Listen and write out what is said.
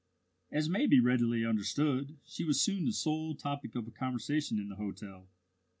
As may be readily understood, she was soon the sole topic of conversation in the hotel.